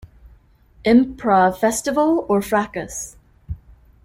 Improv Festival", or "Fracas!